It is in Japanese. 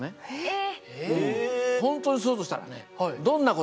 え！